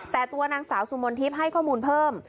แต่ตัวนางสาวสุมนทิพย์ให้ข้อมูลเพิ่ม